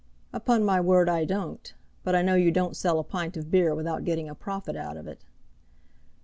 "Upon my word I don't. But I know you don't sell a pint of beer without getting a profit out of it."